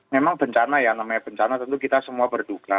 memang bencana ya namanya bencana tentu kita semua berduka